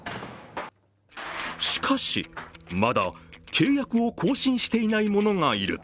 しかし、まだ契約を更改していない者がいる。